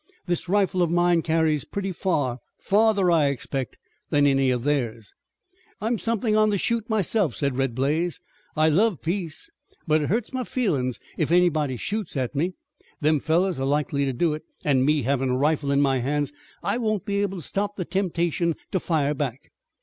This rifle of mine carries pretty far, farther, I expect, than any of theirs." "I'm somethin' on the shoot myself," said Red Blaze. "I love peace, but it hurts my feelin's if anybody shoots at me. Them fellers are likely to do it, an' me havin' a rifle in my hands I won't be able to stop the temptation to fire back."